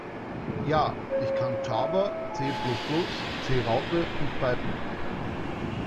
Ja, ich kann Java, C Plus Plus, C Raute und Python.